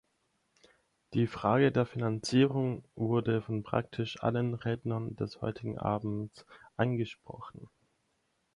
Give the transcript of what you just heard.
Die Frage der Finanzierung wurde von praktisch allen Rednern des heutigen Abends angesprochen.